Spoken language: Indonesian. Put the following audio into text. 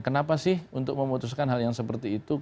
kenapa sih untuk memutuskan hal yang seperti itu